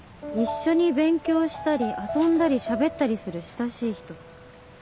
一緒に勉強したり遊んだりしゃべったりする親しい人